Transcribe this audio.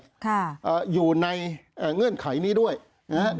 ค่ะเอ่ออยู่ในเงื่อนไขนี้ด้วยอย่างน้อย